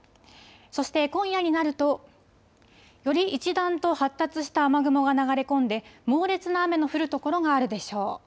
そして今夜になるとより一段と発達した雨雲が流れ込んで猛烈な雨の降る所があるでしょう。